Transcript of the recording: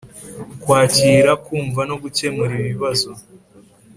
Kwakira kumva no gukemura ibibazo